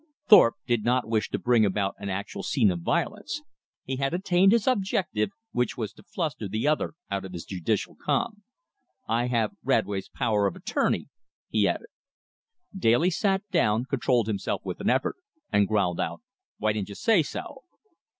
Thorpe did not wish to bring about an actual scene of violence. He had attained his object, which was to fluster the other out of his judicial calm. "I have Radway's power of attorney," he added. Daly sat down, controlled himself with an effort, and growled out, "Why didn't you say so?"